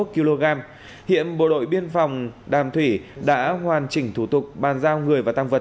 hai mươi kg hiện bộ đội biên phòng đàm thủy đã hoàn chỉnh thủ tục bàn giao người và tăng vật